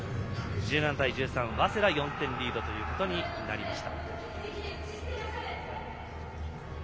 １７対１３、早稲田が４点リードとなりました。